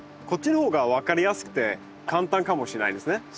こっちの方が分かりやすくて簡単かもしれないですね。